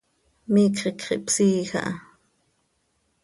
Miicx iicx ihpsiij aha.